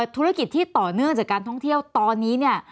ธุรกิจที่ต่อเนื่องจากการท่องเที่ยวตอนนี้เนี่ย